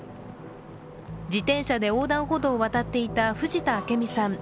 自転車で横断歩道を渡っていた藤田明美さん